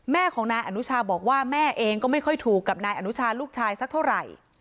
แม่ของนายอนุชาบอกว่าแม่เองก็ไม่ค่อยถูกกับนายอนุชาลูกชายสักเท่าไหร่